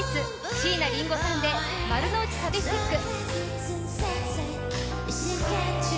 椎名林檎さんで「丸の内サディスティック」。